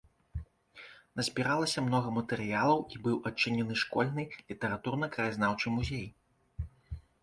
Назбіралася многа матэрыялаў і быў адчынены школьны літаратурна-краязнаўчы музей.